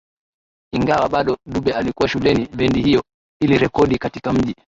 Ingawa bado Dube alikuwa shuleni bendi hiyo ilirekodi katika mji